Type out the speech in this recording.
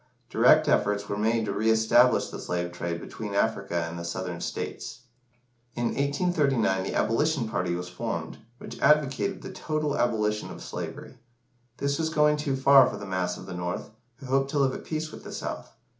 Direct efforts were made to re establish the slave trade between Africa and the Southern States. In 1839 the Abolition party was formed, which advocated the total abolition of slavery. This was going too far for the mass of the North, who hoped to live at peace with the South.